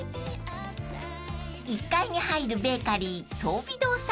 ［１階に入るベーカリー］